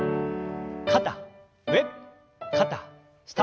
肩上肩下。